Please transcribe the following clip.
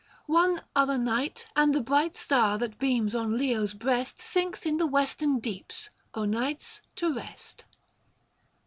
One other night And the bright star that beams on Leo's breast 705 Sinks in the Western deeps, o' nights, to rest.